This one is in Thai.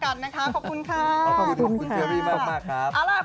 ขอบคุณค่ะขอบคุณค่ะขอบคุณครับคุณเจอพี่มากครับ